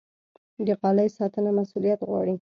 د غالۍ ساتنه مسوولیت غواړي.